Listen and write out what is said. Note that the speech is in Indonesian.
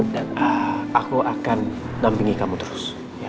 dan aku akan nampingi kamu terus